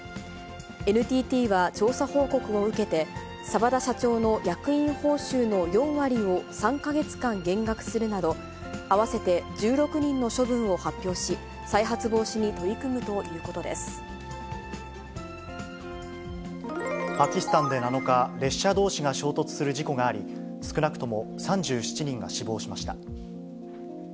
ＮＴＴは調査報告を受けて、澤田社長の役員報酬の４割を３か月間減額するなど、合わせて１６人の処分を発表し、再発防止に取り組むということでパキスタンで７日、列車どうしが衝突する事故があり、少なくとも３７人が死亡しました。